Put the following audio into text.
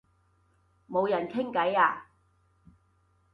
冇人傾偈啊